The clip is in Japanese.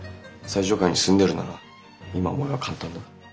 最上階に住んでるなら今思えば簡単だ。